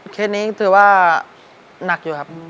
เคสนี้ถือว่าหนักอยู่ครับ